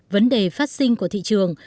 vấn đề phát sinh của thị trường